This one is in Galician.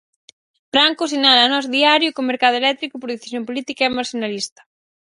Branco sinala a Nós Diario que o mercado eléctrico, por decisión política, é marxinalista.